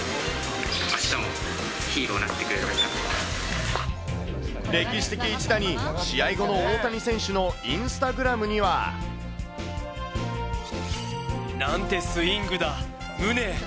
あしたもヒーローになってく歴史的一打に、試合後の大谷選手のインスタグラムには。なんてスイングだ、ムネ。